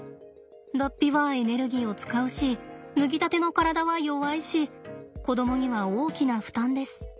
脱皮はエネルギーを使うし脱ぎたての体は弱いし子どもには大きな負担です。